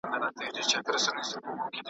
هفتې وورسته خپل نصیب ته ورتسلیم سو .